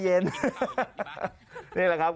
คุณผู้ชมเอ็นดูท่านอ่ะ